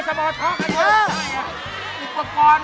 อุปกรณ์สำหรับโทรศัพท์มือถือชนิดใดรากภาค